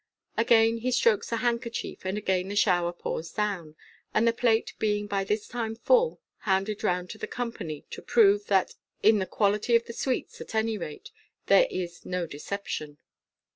Attain he strokes the handkerchief, and again the shower pours down ; and the plate, being by this time full, is handed round to the company to prove that in the quality of the sweets, at any rate, there is " no deception."